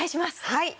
はい。